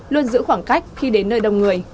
luôn giữ khoảng cách khi đến nơi đông người